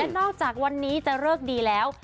นอกจากวันนี้จะเลิกดีแล้ว